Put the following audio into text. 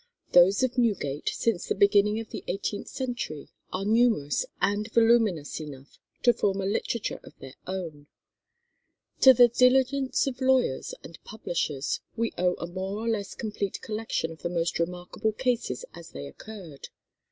Those of Newgate since the beginning of the eighteenth century are numerous and voluminous enough to form a literature of their own. To the diligence of lawyers and publishers we owe a more or less complete collection of the most remarkable cases as they occurred.